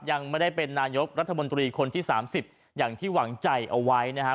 ยังไม่ได้เป็นนายกรัฐมนตรีคนที่๓๐อย่างที่หวังใจเอาไว้นะครับ